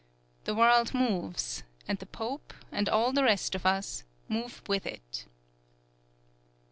The world moves, and the Pope and all the rest of us move with it.